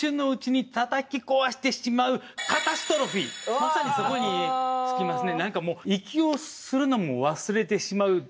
まさにそこに尽きますね。